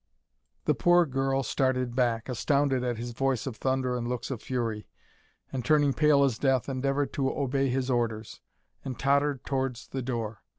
The poor girl started back, astounded at his voice of thunder and looks of fury, and, turning pale as death, endeavoured to obey his orders, and tottered towards the door.